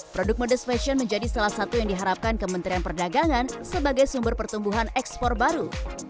produk modest fashion menjadi salah satu yang diharapkan kementerian perdagangan sebagai sumber pertumbuhan ekspor baru